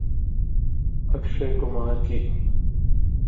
اکشے کمار کی آمد